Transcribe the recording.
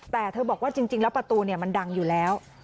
แต่เธอบอกว่าจริงแล้วประตูมันดังอยู่แล้ว